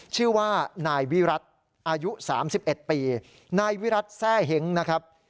ชื่อว่านายวิรัติอายุ๓๑ปีนายวิรัติแซ่เห็งนะครับ